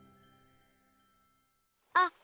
あっ！